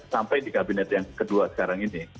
sampai di kabinet yang kedua sekarang ini